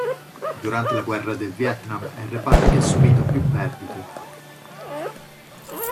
Durante la Guerra del Vietnam è il reparto che ha subito più perdite.